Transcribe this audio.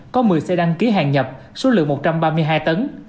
có một mươi xe đăng ký hàng nhập số lượng một trăm ba mươi hai tấn